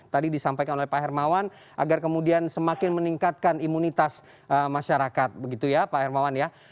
tadi disampaikan oleh pak hermawan agar kemudian semakin meningkatkan imunitas masyarakat begitu ya pak hermawan ya